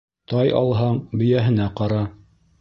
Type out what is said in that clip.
Тай алһаң, бейәһенә ҡара.